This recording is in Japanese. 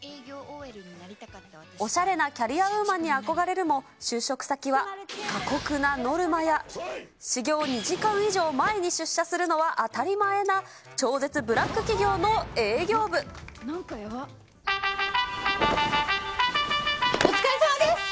おしゃれなキャリアウーマンに憧れるも就職先は過酷なノルマや、始業２時間以上前に出社するのは当たり前な超絶ブラック企業の営お疲れさまです！